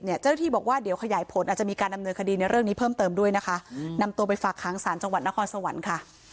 เจ้าหน้าที่บอกว่าเดี๋ยวขยายผลอาจจะมีการดำเนินคดีในเรื่องนี้เพิ่มเติมด้วยนะคะนำตัวไปฝากค้างศาลจังหวัดนครสวรรค์ค่ะ